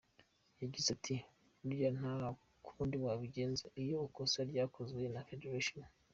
Yagize ati “Burya nta kundi wabigenza iyo ikosa ryakozwe na federation.